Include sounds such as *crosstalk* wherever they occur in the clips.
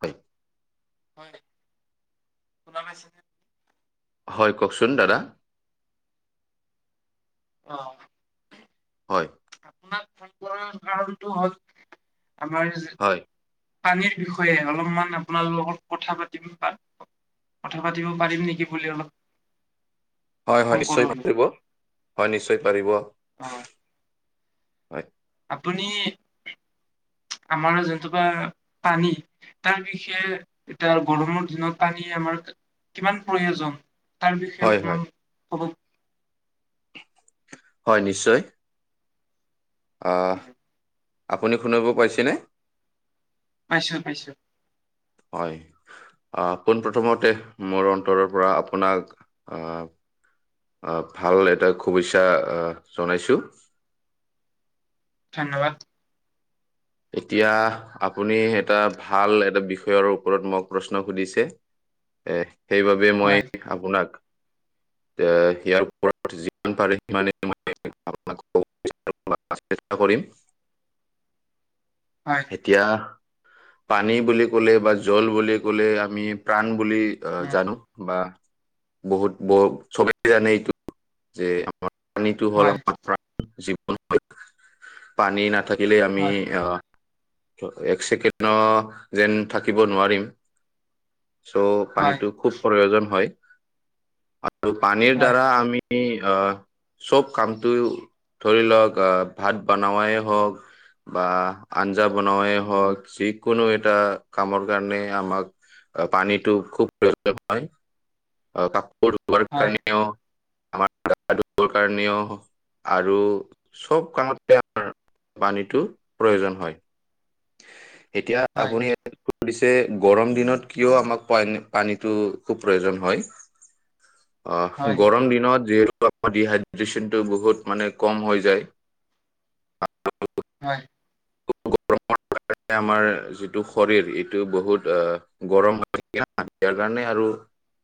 হয়। হয়, শুনা পাইছে? হয় কওকচোন দাদা। অ'। হয়। আপোনাক ফোন কৰাৰ কাৰণটো হ'ল আমাৰ যে হয়, পানীৰ বিষয়ে অলপমান আপোনাৰ লগত কথা পাতিম বা কথা পাতিব পাৰিম নেকি বুলি অলপ হয় হয় ফোন নিশ্চয় কৰিলো পাৰিব, হয় নিশ্চয় পাৰিব। অ'। হয়, আপুনি আমাৰ যোনটোপা পানী তাৰ বিষয়ে, এতিয়া গৰমৰ দিনত পানী আমাৰ কিমান প্ৰয়োজন তাৰ বিষয়ে হয়, হয়, অকণমান ক'ব? হয় নিশ্চয়। অ' আপুনি শুনিব পাইছেনে? পাইছোঁ পাইছোঁ। হয়। আ, পোনপ্ৰথমতে মোৰ অন্তৰৰপৰা আপোনাক আ আ, ভাল এটা আ, শুভেচ্ছা জনাইছোঁ। ধন্যবাদ। এতিয়া আপুনি এটা ভাল এটা বিষয়ৰ ওপৰত মোক প্ৰশ্ন সুধিছে। এ, সেইবাবে মই হয় আপোনাক এ, সেয়াৰ ওপৰত যিমান পাৰে সিমানে মই আপোনাক ক'ব বিচাৰিম বা চেষ্টা কৰিম। হয়। এতিয়া পানী বুলি ক'লে বা জল বুলি ক'লে আমি প্ৰাণ বুলি অ' উম জানো বা বহুত ব চবেই জানে এইটো যে পানীটো হ'ল হয় আমাৰ প্ৰান জীৱন, পানী নাথাকে থাকিলে আমি হয় এক ছেকেণ্ড যেন থাকিব নোৱাৰিম। চ' হয় পানীটো খুব প্ৰয়োজন হয় আৰু পানীৰ হয় দ্বাৰা আমি আমি আ চব কামটো ধৰি লওক আ, ভাত বানাৱাই হওক বা আঞ্জা বনোৱাই হওঁক, যিকোনো এটা কামৰ কাৰণে আমাক আ, পানীটো খুব প্ৰয়োজন হয়, কাপোৰ ধোৱাৰ হয় কাৰণেও আমাৰ গা ধুবৰ কাৰণেও আৰু চব কামতে আমাৰ পানীটো প্ৰয়োজন হয়। এতিয়া হয় আপুনি সুধিছে গৰম দিনত কিয় আমাক পানী-পানীটো খুব প্ৰয়োজন হয়। অ' হয় গৰম দিনত যিহে ডিহাইড্ৰে্যনটো বহুত মানে কম হৈ যায় *unintelligible* হয়। গৰমৰ কাৰণে আমাৰ যিটো শৰীৰ এইটো বহুত অ গৰম *unintelligible* কাৰণে আৰু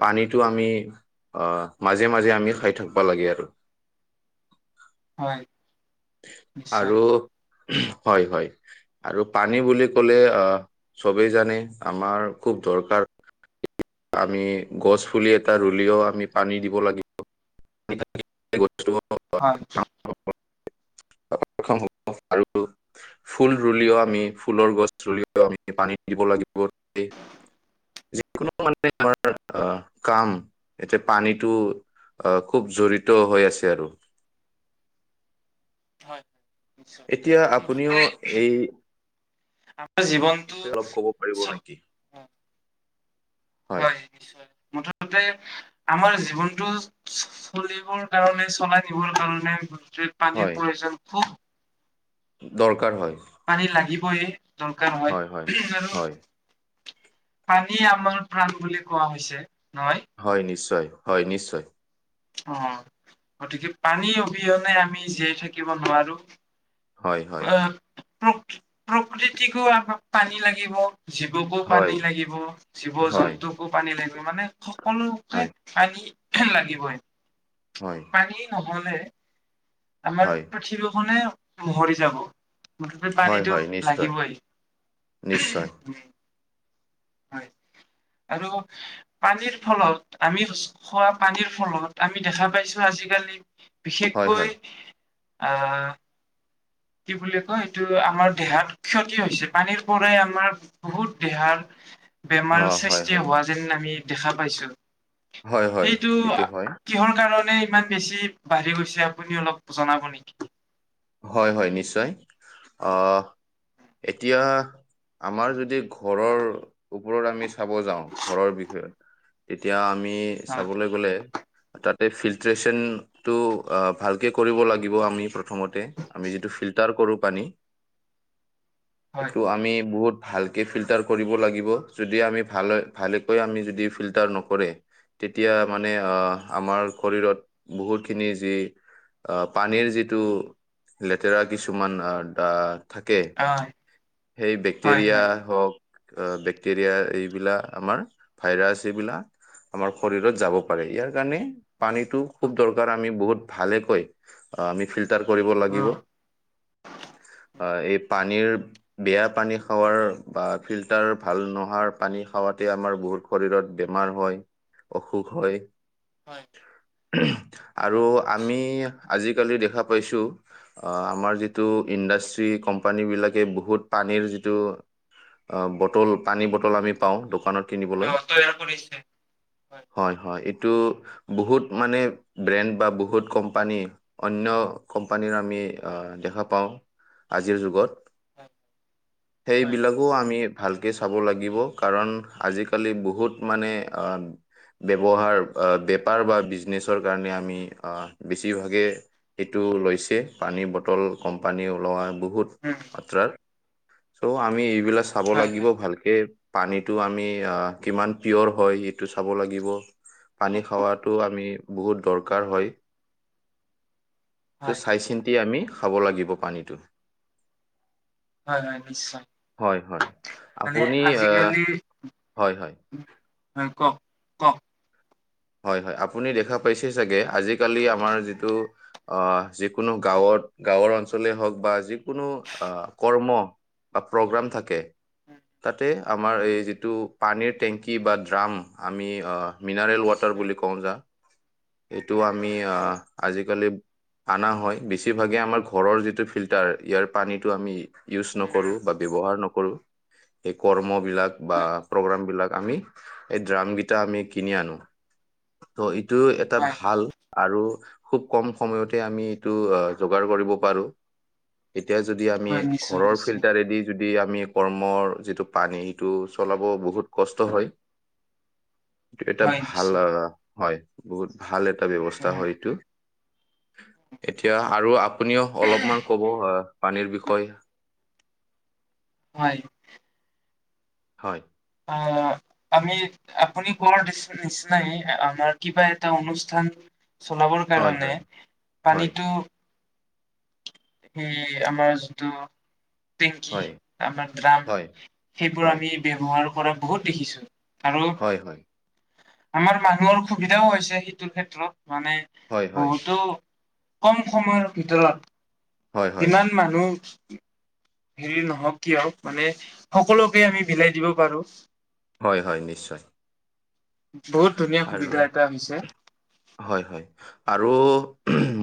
পানীতো আমি অ, মাজে মাজে আমি খাই থাকিবা লাগে আৰু। হয়। নিশ্চয় আৰু, হয়-হয়। আৰু পানী বুলি ক'লে, আ চবেই জানে আমাৰ খুব দৰকাৰ। আমি গছ-পুলি এটা ৰুলেও আমি পানী দিব লাগিব। হয়। ডাঙৰ হ'ব, *inaudible* ফুল ৰুলেও আমি, ফুলৰ গছ ৰুলেও আমি, পানী দিব লাগিবই। যিকোনো মানে আমাৰ আহ, কাম এয়া পানীটো অহ, খুব জড়িত হৈ আছে আৰু। হয়, হয় নিশ্চয়। এতিয়া আপুনিও মুঠতে এই আমাৰ জীৱনটো বিষয়ে অলপ ক'ব পাৰিব চ নেকি হয়। নিশ্চয়। মুঠতে আমাৰ জীৱনতটো চলিবৰ, কাৰণে চলাই নিবৰ কাৰণে। হয় পানীৰ প্ৰয়োজন খুব দৰকাৰ হয়। পানী লাগিবইে, দৰকাৰ হয় আৰু। পানী আমাৰ প্ৰাণ বুলি কোৱা হৈছে, নহয়। হয় নিশ্চয়, হয় নিশ্চয়। অ, গতিকে পানী অবিহনে আমি জীয়াই থাকিব নোৱাৰো। হয় হয় অ, প্ৰ-প্ৰকৃতিকো আমাক পানী লাগিব। জীৱকো হয় পানী লাগিব। জীৱ হয় জন্তুকো পানী লাগিব। মানে সকলোকে হয় পানী লাগিবই। হয়। পানী ন'হলে, আমাৰ হয় পৃথিৱীখনে মৰি যাব। গতিকে হয় পানীটো হয় নিশ্চয় লাগিবই। নিশ্চয়। উম, হয়, আৰু পানীৰ ফলত, আমি খোৱা পানীৰ ফলত আমি দেখা পাইছো, আজিকালি হয় হয় বিশেষকৈ আ কি বুলি কয় এইটো আমাৰ দেহাত ক্ষতি হৈছে। পানীৰ পৰাই আমাৰ বহুত দেহাৰ অ বেমাৰ হয় সৃষ্টি হয় হোৱা যেন আমি দেখা পাইছো। হয় হয় সেইটো এইটো হয় কিহৰ কাৰণে ইমান বেছি বাঢ়ি গৈছে আপুনি অলপ জনাব নেকি? হয়, হয়, নিশ্চয়। আহ, এতিয়া আমাৰ যদি ঘৰৰ ওপৰত আমি চাব যাওঁ। ঘৰৰ বিষয়ত তেতিয়া আমি হয় চাবলৈ গ'লে তাতে ফিল্ট্ৰেচনটো ভালকে কৰিব লাগিব আমি প্ৰথমত। আমি যিটো ফিল্টাৰ কৰো পানী। হয় সেইটো আমি বহুত ভালকৈ ফিল্টাৰ কৰিব লাগিব। যদি আমি ভালে ভালেকৈ আমি যদি ফিল্টাৰ নকৰে তেতিয়া মানে আমাৰ শৰীৰত বহুতখিনি যি আ, পানীৰ যিটো লেতেৰা কিছুমান আ, দা থাকে হয়। সেই হয় হয় বেক্টেৰিয়া হওক আ, বেক্টেৰিয়া এইবিলাক আমাৰ ভাইৰাছ এইবিলা আমাৰ শৰীৰত যাব পাৰে, ইয়াৰ কাৰণে পানীটো খুব দৰকাৰ, আমি বহুত ভালেকৈ আমি ফিল্টাৰ কৰিব অ লাগিব, এই পানীৰ বেয়া পানী খাৱাৰ বা ফিল্টাৰ ভাল নোহাৰ পানী খাৱাতে আমাৰ বহুত শৰীৰত বেমাৰ হয়, অসুখ হয় হয় আৰু হয় নিশ্চয় আমি আজিকালি দেখা পাইছোঁ আমাৰ যিটো ইণ্ডাষ্ট্ৰি কোম্পানীবিলাকে বহুত পানীৰ যিটো বটল, পানী বটল আমি পাওঁ দোকানত কিনিবলৈ, অ তৈয়াৰ কৰিছে হয় হয়, এইটো বহুত মানে ব্ৰেণ্ড বা বহুত কোম্পানী অন্য কোম্পানীৰ আমি দেখা পাওঁ আজিৰ যুগত। হয়। হয় সেইবিলাকো আমি ভালকৈ চাব লাগিব কাৰণ আজিকালি বহুত মানে আ ব্যৱহাৰ, বেপাৰ বা বিজনেছৰ কাৰণে আমি বেছিভাগে সেইটো লৈছে, পানীৰ বটল কম্পানী ওলোৱা বহুত উ। মাত্ৰাৰ চ' আমি এইবিলাক চাব হয় লাগিব হয় ভালকে। পানীটো আমি আ, কিমান পিয়'ৰ হয় এইটো চাব লাগিব। অ পানী খাৱাটো আমি বহুত দৰকাৰ হয়। হয় তে চাই চিন্তি আমি খাব লাগিব পানীটো। হয় হয়, নিশ্চয়। হয় হয়, মানে আপুনি এ, আজিকালি হয় হয়। হয়, কওঁক কওঁক। হয় হয়, আপুনি দেখা পাইছে চাগে আজিকালি আমাৰ যিটো আ, যিকোনো গাঁৱত গাঁৱৰ অঞ্চলেই হওক বা যিকোনো আ, কৰ্ম বা প্ৰগ্ৰাম থাকে উম তাতে আমাৰ এই যিটো পানীৰ টেংকি বা ড্ৰাম, আমি মিনাৰেল টাৰ উম উম বুলি কওঁ যা, এইটো আমি আ, উম আজিকালি আনা হয়, বেছিভাগে আমাৰ ঘৰৰ যিটো ফিল্টাৰ ইয়াৰ পানীটো আমি ইউজ নকৰোঁ উম বা ব্যৱহাৰ নকৰোঁ। এই কৰ্মবিলাক বা হয় প্ৰগ্ৰামবিলাক আমি এই ড্ৰামকেইটা আমি কিনি আনো। ত' এইটো এটা হয় ভাল আৰু খুব কম সময়তে আমি এইটো আ, যোগাৰ কৰিব পাৰোঁ। এতিয়া যদি আমি হয় নিশ্চয় ঘৰৰ নিশ্চয় ফিল্টাৰেদি যদি আমি কৰ্মৰ যিটো পানী সেইটো চলাব বহুত কষ্ট হয় এটা হয় ভাল নিশ্চয় হয়, বহুত ভাল এটা ব্যৱস্থা হয় এইটো। এতিয়া আৰু আপুনিও অলপমান ক'ব আ, পানীৰ বিষয়ে। হয়। হয়। আ আমি আপুনি কোৱাৰ নিচিনাই আমাৰ কিবা এটা অনুষ্ঠান চলাবৰ হয় কাৰণে হয় হয় পানীটো সেই আমাৰ যিটো টেংকি হয় আমাৰ ড্ৰাম হয় সেইবোৰ হয় আমি ব্যৱহাৰ কৰা বহুত দেখিছোঁ। আৰু হয় হয় আমাৰ মানুহৰ সুবিধাও হৈছে সেইটো ক্ষেত্ৰত মানে হয় হয় বহুতো কম সময়ৰ ভিতৰত হয় হয় যিমান মানুহ হেৰি নহওক কিয় মানে সকলোকে আমি বিলাই দিব পাৰোঁ। হয় হয়, নিশ্চয়। বহুত ধুনীয়া আৰু সুবিধা এটা হৈছে। হয় হয়। আৰু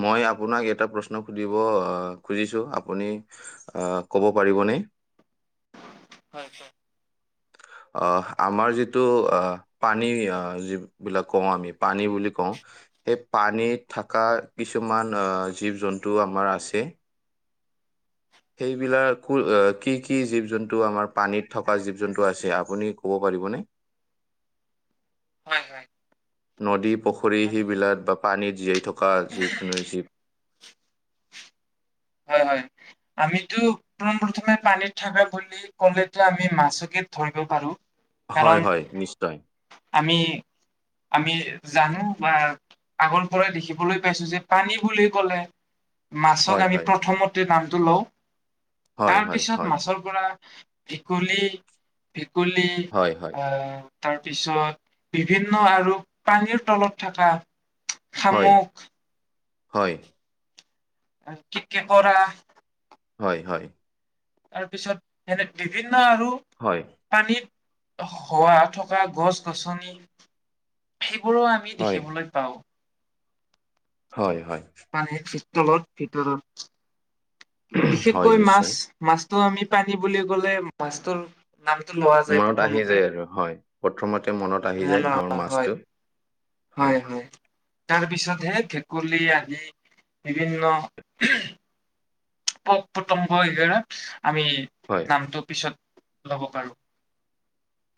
মই আপোনাক এটা প্ৰশ্ন সুধিব আ, খুজিছোঁ আপুনি আ, ক'ব পাৰিবনে? হয় হয়। আ, আমাৰ যিটো আ পানীযিবিলাক কওঁ, আমি পানী বুলি কওঁ সেই পানীত থকা কিছুমান জীৱ জন্তু আমাৰ আছে। সেইবিলাক কুল কি কি জীৱ জন্তু আমাৰ পানীত থকা জীৱ জন্তু আছে আপুনি ক'ব পাৰিবনে? *inaudible* হয় হয়। নদী, পুখুৰী আমি সেইবিলাক বা পানীত জীয়াই থকা যিকোনো জী হয় হয়, আমিতো পোন প্ৰথমে পানী থাকা বুলি ক'লেতো আমি মাছকে ধৰিব পাৰোঁ। হয় হয়, নিশ্চয়। আমি আমি জানো বা আগৰপৰাই দেখিবলৈ পাইছো যে পানী বুলি ক'লে মাছক হয় আমি হয় প্ৰথমতে নামটো লওঁ, হয় হয় তাৰপিছত হয় মাছৰ পৰা ভকুলী, ভকুলী হয় হয় আ তাৰপিছত বিভিন্ন আৰু পানীৰ তলত থকা হয়, শামুক হয়। কেত কে কৰা হয় হয়। তাৰপিছত মানে বিভিন্ন আৰু হয়। পানীত হোৱা থকা গছ গছনি সেইবোৰো আমি আমি হয় দেখিবলৈ পাওঁ। হয় হয়। পানীৰ তলত ভিতৰত, হয় বিশেষকৈ মাছ নিশ্চয় মাছটো আমি পানী বুলি ক'লে মাছটোৰ নামটো লোৱা যায় মনত আহি যায় প্ৰথমতে, আৰু হয় প্ৰথমতে মনত আহি যায় আমাৰ মনৰ মাছটো হয়। হয় হয়, তাৰপিছতহে ভেকুলী আদি বিভিন্ন পক প্ৰতংগ আমি হয়। নামটো পিছত ল'ব পাৰোঁ।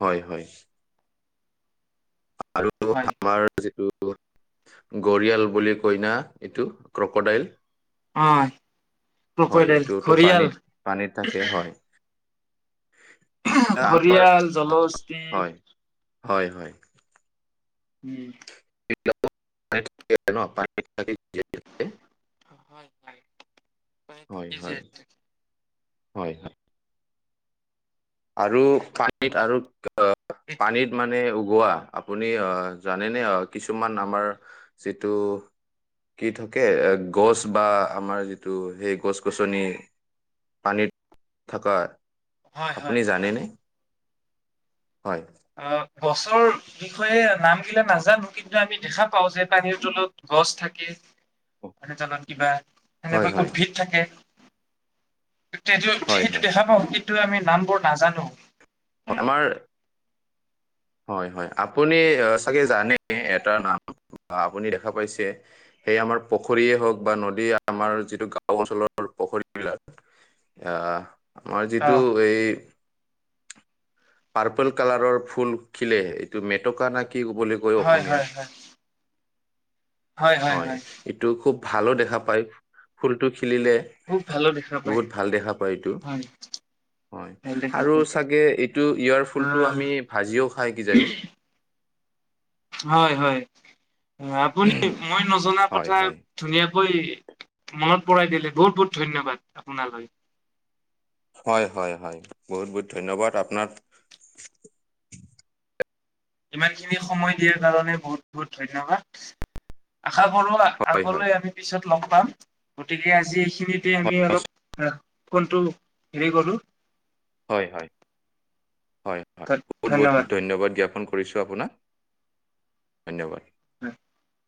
হয় হয়। আৰু হয়। আমাৰ যিটো গৰিয়াল বুলি কইনা এইটো ক্ৰকডাইল। অ'। হয় ক্ৰকডাইল এইটোতো পানী ঘৰিয়াল পানীত থাকে হয়। এয়া আমাৰ ঘৰিয়াল জলহস্তী হয় হয় হয়। উম। থাক ন পান থাক *unintelligible* হয় ভে *unintelligible* হয়, হয়, হয়, হয়। আৰু পানীত আৰু পানীত মানে উগোৱা আপুনি জানেনে কিছুমান আমাৰ যিটো কি থাকে গছ বা আমাৰ যিটো সেই গছ গছনি পানীত থকা হয় আপুনি হয় হয়। জানেনে হয়। অ', গছৰ বিষয়ে নাম গিলা নাজানোঁ কিন্তু আমি দেখা পাওঁ যে পানীৰ তলত গছ থাকে এই থাকাত কিবা হয় সেনেকৈ হয় উদ্ভিদ থাকে সটো হয় সেইটো হয় দেখা পাওঁ কি নটো আমি নাম বোৰ নাজানোঁ আমাৰ হয়, হয় আপুনি চাগে জানে এটা নাম আপুনি দেখা পাইছে সেই আমাৰ পুখুৰীয়ে হওক বা নদী আমাৰ যিটো গাঁও অঞ্চলৰ পুখুৰীবিলাক আহ আমাৰ যিটো অ' এই পাৰ্পল কালাৰৰ ফুল খিলে এইটো মেটকা না কি বুলি কয় হয়, হয়, অসমীয়াত হয়। হয় ইটো খুব ভালো দেখা পায় ফুলটো খিলিলে খুব ভালো দেখা পায় বহুত ভাল দেখা পায় এইটো হয় হয় ভাল দেখা আৰু পায়। চাগে এইটো ইয়াৰ ফুলটো অ' আমি ভাজিও খাই কিজানি হয়, হয় আপুনি মই নজনা হয় কথা হয় ধুনীয়াকৈ মনত পৰাই দিলে বহুত, বহুত ধন্যবাদ আপোনালৈ হয়, হয়, হয়, বহুত, বহুত ধন্যবাদ আপোনাৰ ইমানখিনি সময় দিয়াৰ কাৰণে বহুত, বহুত ধন্যবাদ। আশা কৰো হয় হয় আগলৈ আমি পিছত ল'গ পাম গতিকে আজি এইখিনিত এয়া হয় আমি নিশ্চয়। অলপ কোনটো হেৰি গলোঁ হয়, হয়, হয়, হয় বহুত বহুত ধন্যবাদ জ্ঞাপন কৰিছোঁ আপোনাক। ধন্যবাদ। *inaudible*